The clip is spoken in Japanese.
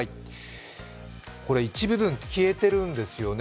一部分、消えているんですよね。